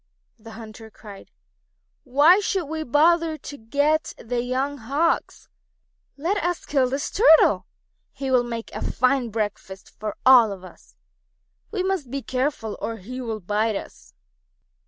The hunters cried: "Why should we bother to get the young Hawks? Let us kill this Turtle. He will make a fine breakfast for all of us. We must be careful or he will bite us.